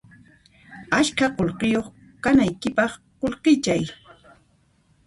Askha qullqiyuq kanaykipaq qullqichay